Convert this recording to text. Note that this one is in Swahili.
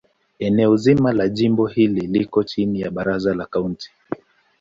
Eneo zima la jimbo hili liko chini ya Baraza la Kaunti.